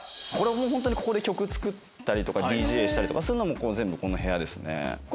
ホントにここで曲作ったりとかＤＪしたりとかそういうのもう全部この部屋ですね。